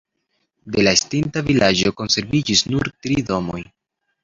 De la estinta vilaĝo konserviĝis nur tri domoj.